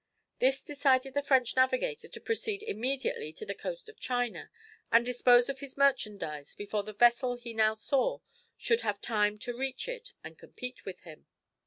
This decided the French navigator to proceed immediately to the coast of China, and dispose of his merchandize before the vessel he now saw should have time to reach it and compete with him.